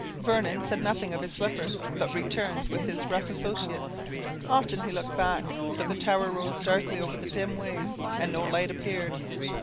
Vernon said nothing of his slipper, but returned with his rough associates. Often he looked back; but the tower rose darkly over the dim waves, and no light appeared.